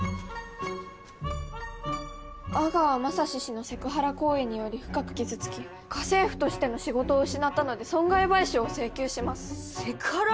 「阿川将司氏のセクハラ行為により深く傷つき家政婦としての仕事を失ったので損害賠償を請求します」セクハラ？